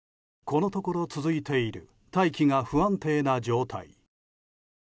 このところ続いている大気が不安定な状態。